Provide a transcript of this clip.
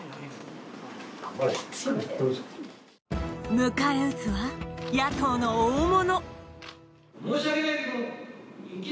迎え撃つは、野党の大物。